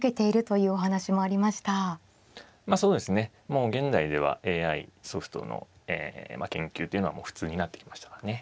もう現代ではＡＩソフトの研究というのは普通になってきましたからね。